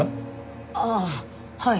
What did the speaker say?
ああはい。